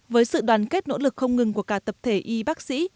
với sự đoàn kết nỗ lực không ngừng của cả tập thể y bác sĩ